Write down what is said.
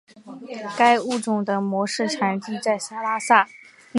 该物种的模式产地在拉萨。